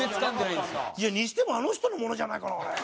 いやにしてもあの人のものじゃないかなあれ。